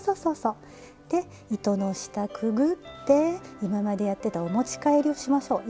で糸の下くぐって今までやってたお持ち帰りをしましょう。